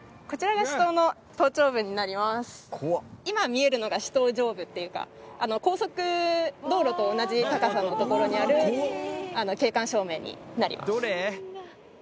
今見えるのが主塔上部っていうか高速道路と同じ高さの所にある景観照明になります。